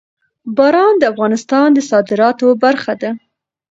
باران د افغانستان د صادراتو برخه ده.